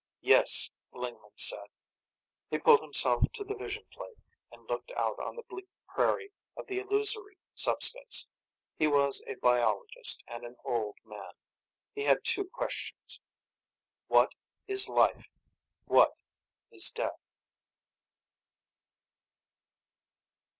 "Yes," Lingman said. He pulled himself to the vision plate and looked out on the bleak prairie of the illusory sub space. He was a biologist and an old man. He had two questions. What is life? What is death?